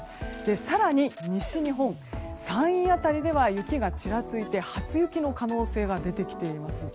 更に西日本山陰辺りでは雪がちらついて初雪の可能性が出てきています。